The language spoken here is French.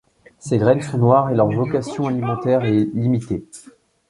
Ses graines sont noires et leur vocation alimentaire limitée.